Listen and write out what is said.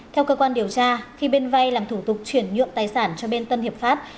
theo cơ quan điều tra khi bên vay làm thủ tục chuyển nhượng tài sản cho bên tân hiệp pháp